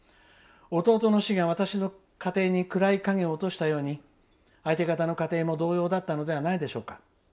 「弟の死が私の家庭に暗い影を落としたように相手方の家庭も同様だったのではないでしょうか。